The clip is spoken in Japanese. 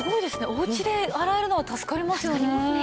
おうちで洗えるのは助かりますよね。